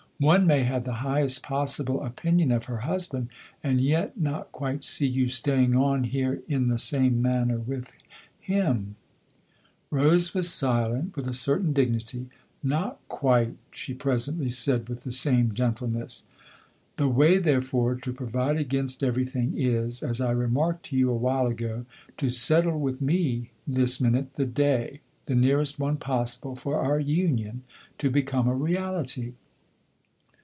" One may have the highest possible opinion of 70 THE OTHER HOUSE her husband and yet not quite see you staying on here in the same manner with him" Rose was silent, with a certain dignity. "Not quite/' she presently said with the same gentleness. "The way therefore to provide against every thing is as I remarked to you a while ago to settle with me this minute the day, the nearest one possible, for our union to become a reality."